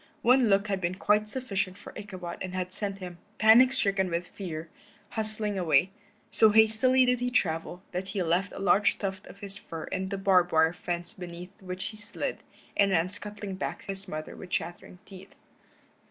One look had been quite sufficient for Ichabod and had sent him, panic stricken with fear, hustling away; so hastily did he travel that he left a large tuft of his fur in a barb wire fence beneath which he slid, and ran scuttling back home to his mother with chattering teeth.